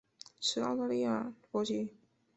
持澳大利亚国籍。